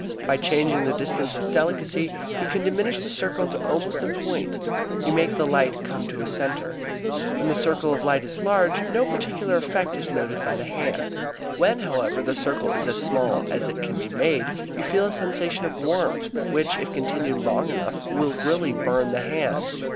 By changing the distance with delicacy you can diminish the circle to almost a point, you make the light come to a center. When the circle of light is large, no particular effect is noted by the hand. When, however, the circle is as small as it can be made you feel a sensation of warmth which, if continued long enough, will really burn the hand.